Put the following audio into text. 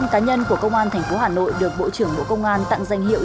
một mươi năm cá nhân của công an thành phố hà nội được bộ trưởng bộ công an tặng danh hiệu